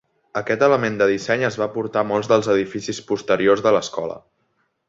Aquest element de disseny es va portar a molts dels edificis posteriors de l'escola.